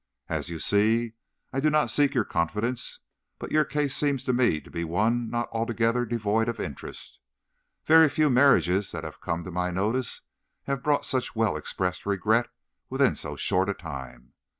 As you see, I do not seek your confidence; but your case seems to me to be one not altogether devoid of interest. Very few marriages that have come to my notice have brought such well expressed regret within so short a time.